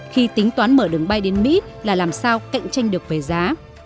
khi tính toán mở đường bay đến mỹ là làm sao cạnh tranh được về giá